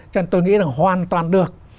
cho nên tôi nghĩ là hoàn toàn được